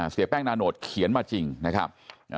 เสียแป้งนาโนตเขียนมาจริงนะครับ